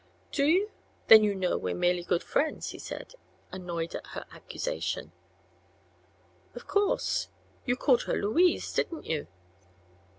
"Do you? Then you know we were merely good friends," said he, annoyed at her accusation. "Of course. You called her 'Louise,' didn't you?"